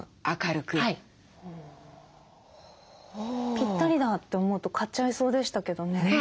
ぴったりだって思うと買っちゃいそうでしたけどね。